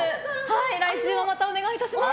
来週もまたお願いいたします。